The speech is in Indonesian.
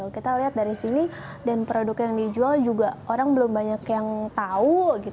kita lihat dari sini dan produk yang dijual juga orang belum banyak yang tahu